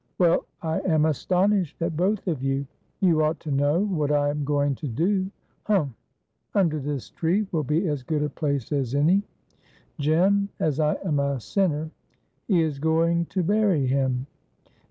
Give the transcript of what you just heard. "Well, I am astonished at both of you. You ought to know what I am going to do. Humph! Under this tree will be as good a place as any." "Jem, as I am a sinner, he is going to bury him."